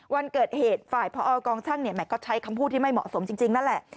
วันเกิดเหตุฝ่ายพอกองช่างก็ใช้คำพูดที่ไม่เหมาะสมจริงนั่นแหละ